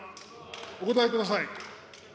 お答えください。